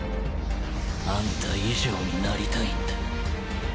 あんた以上になりたいんだ